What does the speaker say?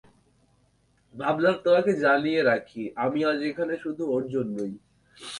ভাবলাম, তোমাকে জানিয়ে রাখি আমি আজ এখানে শুধু ওর জন্যই।